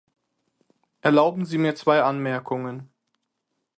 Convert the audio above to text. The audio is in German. Erlauben Sie mir zwei Anmerkungen.